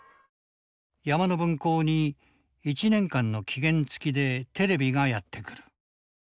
山の分校に１年間の期限付きでテレビがやって来る。